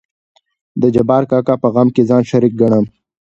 د جبار کاکا په غم کې ځان شريک ګنم.